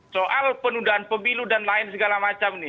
soal penundaan pemilu dan lain segala macam ini